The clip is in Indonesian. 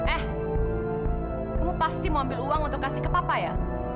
eh kamu pasti mau ambil uang untuk kasih ke papa ya